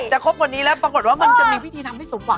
ครบวันนี้แล้วปรากฏว่ามันจะมีพิธีทำให้สมหวัง